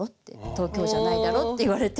東京じゃないだろって言われて。